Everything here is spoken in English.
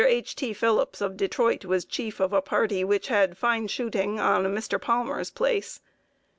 H. T. Phillips of Detroit was chief of a party which had fine shooting on a Mr. Palmer's place.